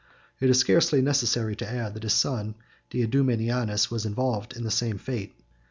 It is scarcely necessary to add, that his son Diadumenianus was involved in the same fate.